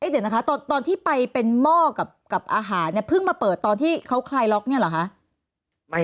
เดี๋ยวนะคะตอนที่ไปเป็นหม้อกับอาหารเนี่ยเพิ่งมาเปิดตอนที่เขาคลายล็อกเนี่ยเหรอคะ